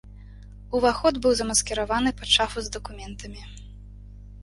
Уваход быў замаскіраваны пад шафу з дакументамі.